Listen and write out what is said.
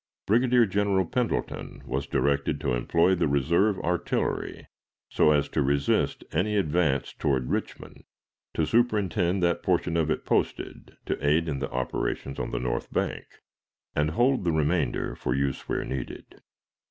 Brigadier General Pendleton was directed to employ the reserve artillery so as to resist any advance toward Richmond, to superintend that portion of it posted to aid in the operations on the north bank, and hold the remainder for use where needed.